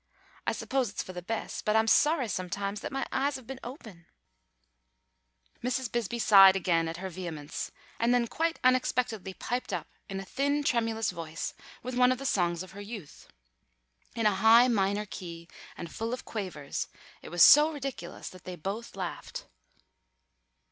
I suppose it's for the best, but I'm sorry sometimes that my eyes have been opened." Mrs. Bisbee sighed again at her vehemence, and then quite unexpectedly piped up in a thin tremulous voice, with one of the songs of her youth. In a high minor key and full of quavers, it was so ridiculous that they both laughed.